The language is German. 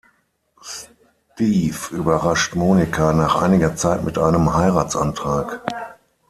Steve überrascht Monica nach einiger Zeit mit einem Heiratsantrag.